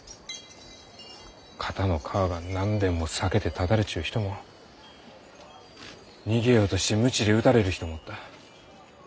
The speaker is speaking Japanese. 肩の皮が何べんも裂けてただれちゅう人も逃げようとして鞭で打たれる人もおった。